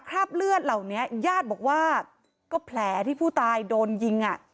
แล้วเหล่านี้ญาติบอกว่าก็แผลที่ผู้ตายโดนยิง